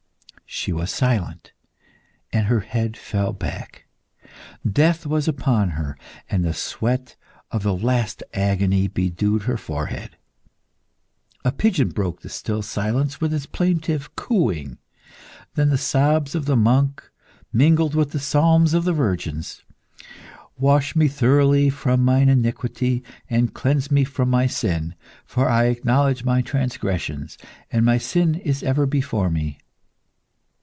She was silent, and her head fell back. Death was upon her, and the sweat of the last agony bedewed her forehead. A pigeon broke the still silence with its plaintive cooing. Then the sobs of the monk mingled with the psalms of the virgins. _"Wash me thoroughly from mine iniquity, and cleanse me from my sin. For I acknowledge my transgressions: and my sin is ever before me."